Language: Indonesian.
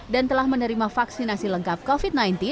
dan telah menerima vaksinasi lengkap covid sembilan belas